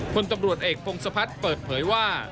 คนตำรวจเอกพงศพัฒน์เปิดเผยว่า